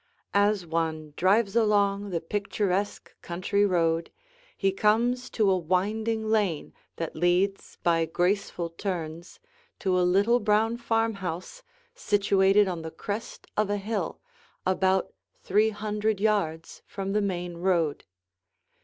As one drives along the picturesque country road, he comes to a winding lane that leads by graceful turns to a little brown farmhouse situated on the crest of a hill about three hundred yards from the main road.